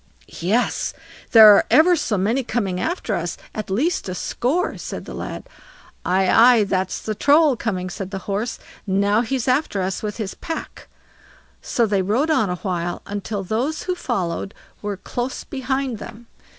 "Yes; there are ever so many coming after us, at least a score", said the lad. "Aye, aye, that's the Troll coming", said the Horse; "now he's after us with his pack." So they rode on a while, until those who followed were close behind them.